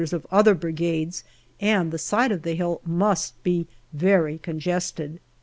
of other Brigades, and the side of the hill must be very congested.